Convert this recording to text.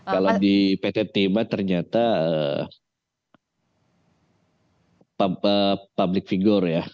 kalau di pt tema ternyata public figure ya